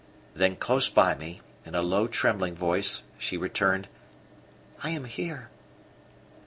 Then close by me, in a low, trembling voice, she returned: "I am here."